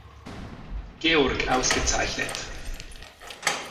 Georg ausgezeichnet.